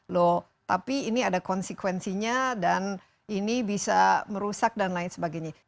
loh tapi ini ada konsekuensinya dan ini bisa merusak dan lain sebagainya